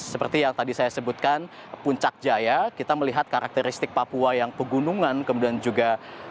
seperti yang tadi saya sebutkan puncak jaya kita melihat karakteristik papua yang pegunungan kemudian juga